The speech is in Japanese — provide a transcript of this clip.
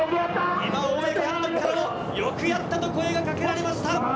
今、大八木監督からも、よくやったと声がかけられました。